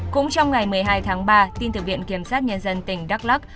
cũng trong ngày một mươi hai tháng ba tin từ viện kiểm sát nhân dân tỉnh đắk lắc